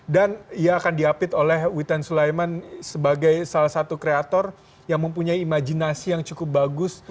dan dia akan diapit oleh witan sulaiman sebagai salah satu kreator yang mempunyai imajinasi yang cukup bagus